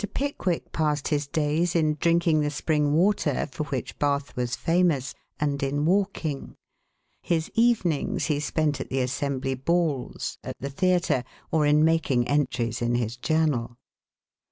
Pickwick passed his days in drinking the spring water for which Bath was famous, and in walking; his evenings he spent at the Assembly balls, at the theater or in making entries in his journal.